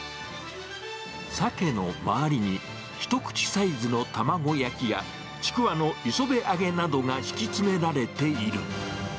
サケの周りに一口サイズの卵焼きや、ちくわの磯辺揚げなどが敷き詰められている。